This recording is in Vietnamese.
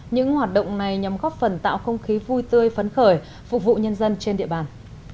những hoạt động này nhằm góp phần tạo không khí vui tươi phấn khởi phục vụ nhân dân trên địa bàn